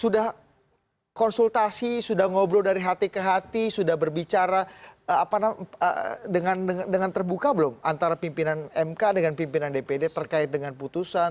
sudah konsultasi sudah ngobrol dari hati ke hati sudah berbicara dengan terbuka belum antara pimpinan mk dengan pimpinan dpd terkait dengan putusan